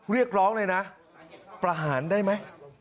เรียกร้องเลยนะประหารได้ไหม